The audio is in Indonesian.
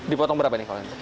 dipotong berapaan ya kalau ini